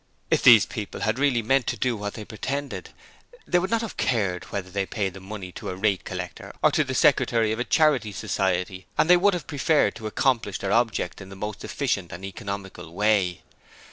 If these people had really meant to do what they pretended, they would not have cared whether they paid the money to a rate collector or to the secretary of a charity society and they would have preferred to accomplish their object in the most efficient and economical way.